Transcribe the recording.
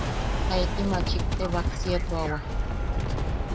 Jaiti maachik te baksiatuawa.